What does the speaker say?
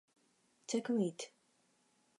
체크메이트!